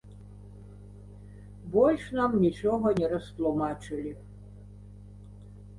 Больш нам нічога не растлумачылі.